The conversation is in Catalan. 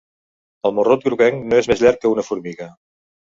El morrut groguenc no és més llarg que una formiga.